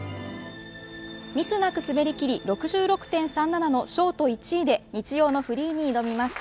ミスなく滑り切り６６．３７のショート１位で日曜のフリーに挑みます。